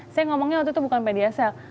saya ngomongnya waktu itu bukan pediasa